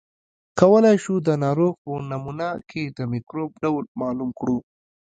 کولای شو د ناروغ په نمونه کې د مکروب ډول معلوم کړو.